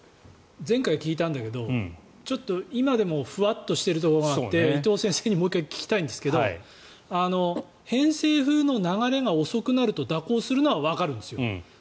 前回聞いたんだけどちょっと今でもふわっとしているところがあって伊藤先生にもう１回聞きたいんですけど偏西風の流れが遅くなると蛇行するのはわかるんですよ。